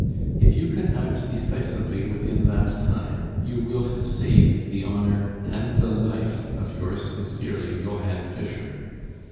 "If you can act decisively within that time, you will have saved the honor and the life of yours sincerely, Johann Fischer.